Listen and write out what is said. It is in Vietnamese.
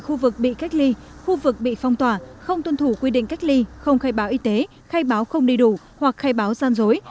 khu vực bị cách ly khu vực bị phong tỏa không tuân thủ quy định cách ly không khai báo y tế khai báo không đầy đủ hoặc khai báo gian dối